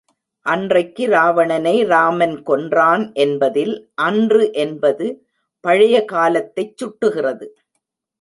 அன்றைக்கு ராவணனை ராமன் கொன்றான் என்பதில் அன்று என்பது பழைய காலத்தைச் சுட்டுகிறது.